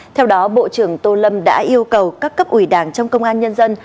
theo đó bộ trưởng tô lâm đã yêu cầu các cấp ủy đảng trong công an nhân dân